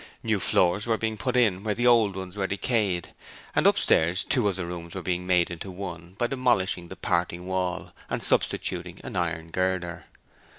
New floors were being put in where the old ones were decayed, and upstairs two of the rooms were being made into one by demolishing the parting wall and substituting an iron girder.